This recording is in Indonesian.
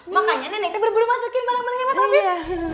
makanya nenek kita berburu buru masukin barang barang nya mas afif